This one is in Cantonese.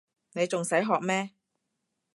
你仲使學咩